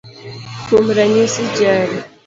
Kuom ranyisi, jari